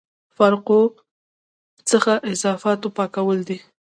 فرقو څخه اضافاتو پاکول دي.